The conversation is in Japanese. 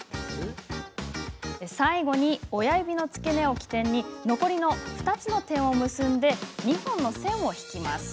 最後に親指の付け根を起点に残りの２つの点を結び２本の線を引きます。